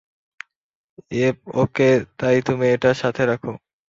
ই্যাপ -okay তাই তুমি এটা সাথে রাখো?